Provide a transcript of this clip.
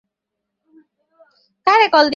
অতএব এই বৃহৎ ব্রহ্মাণ্ডও অবশ্যই সেই একই নিয়মে নির্মিত।